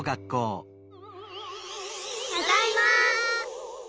ただいま！